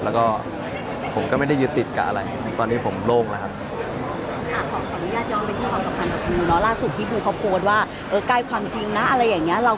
แล้วก็ผมก็ไม่ได้ยึดติดกับอะไรตอนนี้ผมโล่งแล้วครับ